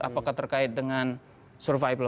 apakah terkait dengan survival